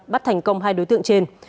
bắt thành công hai đối tượng trên